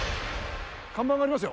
看板がありますよ。